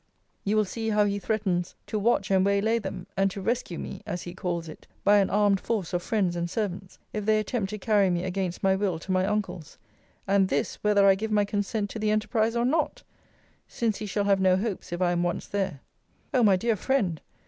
You will see how he threatens, 'To watch and waylay them, and to rescue me as he calls it, by an armed force of friends and servants, if they attempt to carry me against my will to my uncle's; and this, whether I give my consent to the enterprise, or not: since he shall have no hopes if I am once there.' O my dear friend!